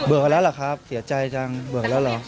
ไปแล้วเหรอครับเสียใจจังเบิกแล้วเหรอ